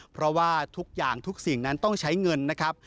เพราะว่าทุกอย่างทุกสิ่งนั้นต้องใช้เงินนะครับ